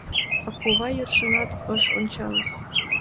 А кува йӧршынат ыш ончалыс